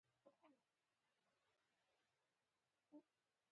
او څو اړخیز مبحث دی